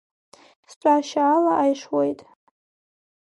Стәашьа ала аишуеит!